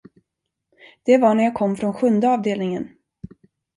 Det var när jag kom från sjunde avdelningen.